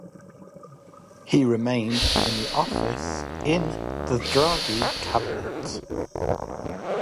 He remained in office in the Draghi Cabinet.